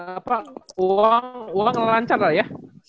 apa uang uang lancar lah ya